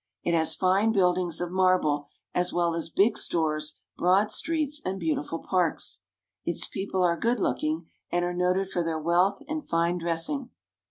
It has fine buildings of marble, as well as big stores, broad streets, and beautiful parks. Its people are good looking, and are noted for their wealth and fine dressing.